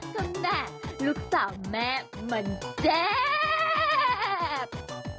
สำแหน่ะลูกสาวแม่มันเจ็บ